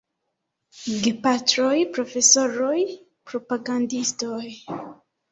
Gepatroj, Profesoroj, Propagandistoj!